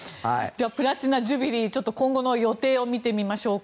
プラチナ・ジュビリー今後の予定を見てみましょう。